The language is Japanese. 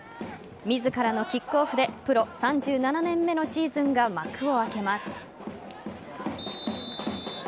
自らのキックオフでプロ３７年目のシーズンが幕を開けます。